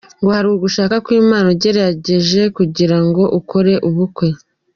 Ngo hari ugushaka kw’Imana ategereje kugirango akore ubukwe